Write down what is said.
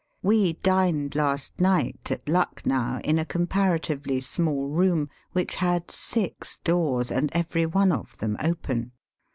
We dined last night at Lucknow in a comparatively small room, which had six doors, and every one of them open.